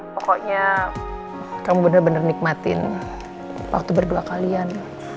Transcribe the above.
pokoknya kamu benar benar nikmatin waktu berdua kalian